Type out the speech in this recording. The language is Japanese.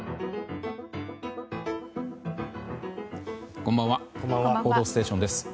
こんばんは「報道ステーション」です。